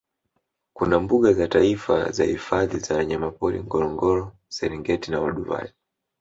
Kuna mbuga za taifa na hifadhi za wanyamapori Ngorongoro Serengeti na Olduvai